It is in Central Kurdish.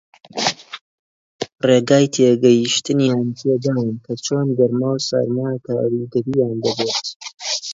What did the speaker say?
ڕێگای تێگەیشتنیان پێ داین کە چۆن گەرما و سارما کاریگەرییان دەبێت